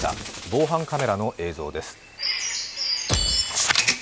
防犯カメラの映像です。